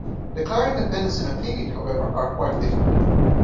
Declaring independence and attaining it however, are quite different.